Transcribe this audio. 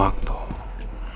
ntar keburu nino lapar polisi lagi